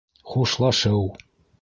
ХУШЛАШЫУ